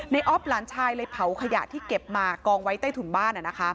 อ๊อฟหลานชายเลยเผาขยะที่เก็บมากองไว้ใต้ถุนบ้าน